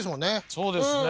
そうですね。